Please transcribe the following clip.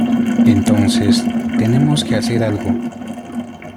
Entonces, tenemos que hacer algo.